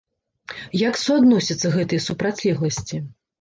Як суадносяцца гэтыя супрацьлегласці?